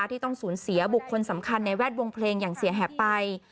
ที่ต้องสูญเสียบุคคลสำคัญในแวดวงเพลงอย่างเสียแหบไป